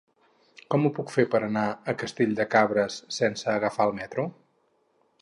Com ho puc fer per anar a Castell de Cabres sense agafar el metro?